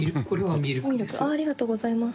ミルクありがとうございます。